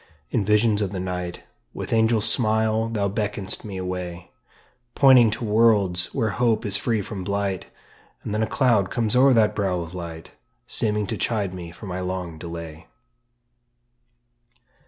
In visions of the night With angel smile thou beckon'st me away, Pointing to worlds where hope is free from blight; And then a cloud comes o'er that brow of light, Seeming to chide me for my long delay.